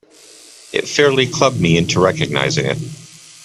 It fairly clubbed me into recognizing it.